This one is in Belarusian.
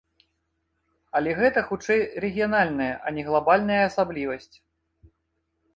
Але гэта хутчэй рэгіянальная, а не глабальная асаблівасць.